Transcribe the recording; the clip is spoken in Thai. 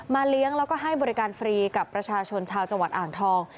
เลี้ยงแล้วก็ให้บริการฟรีกับประชาชนชาวจังหวัดอ่างทอง